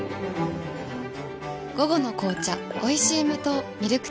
午後の紅茶おいしい無糖ミルクティー